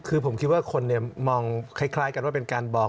คือผมคิดว่าคนมองคล้ายกันว่าเป็นการบอก